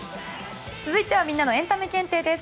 続いてはみんなのエンタメ検定です。